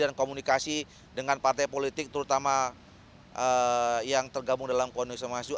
dan komunikasi dengan partai politik terutama yang tergabung dalam kondisi masjid